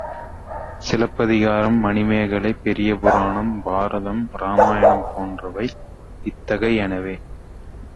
சிலப்பதிகாரம், மணிமேகலை, பெரிய புராணம், பாரதம், இராமாயணம் போன்றவை இத்தகையனவே.